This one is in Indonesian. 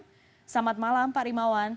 selamat malam pak rimawan